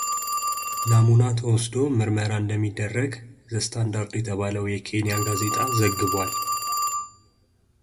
ናሙና ተወስዶ ምርመራ እንደሚደረግ ዘስታንዳርድ የተባለው የኬንያ ጋዜጣ ዘግቧል።